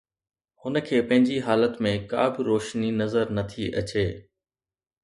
هن کي پنهنجي حالت ۾ ڪابه روشني نظر نٿي اچي.